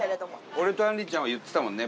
俺とあんりちゃんは言ってたもんね。